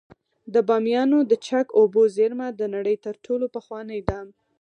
د بامیانو د چک اوبو زیرمه د نړۍ تر ټولو پخوانۍ ده